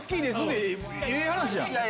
でええ話やん。